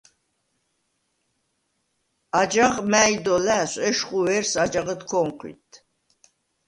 აჯაღ მა̄̈ჲ დო ლა̈სვ, ეშხუ ვერს აჯაღჷდ ქო̄ნჴვიდდ.